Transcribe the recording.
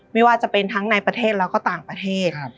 ไม่ว่าจะเป็นทั้งในประเทศแล้วก็ต่างประเทศ